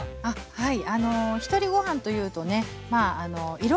はい。